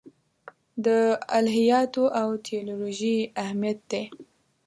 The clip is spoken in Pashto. د الهیاتو او تیولوژي اهمیت دی.